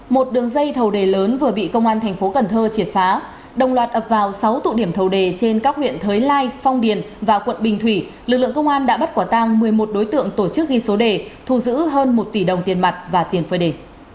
một đường dây thầu đề lớn vừa bị công an thành phố cần thơ triệt phá đồng loạt ập vào sáu tụ điểm thầu đề trên các huyện thới lai phong điền và quận bình thủy lực lượng công an đã bắt quả tang một mươi một đối tượng tổ chức ghi số đề thu giữ hơn một tỷ đồng tiền mặt và tiền phơi đề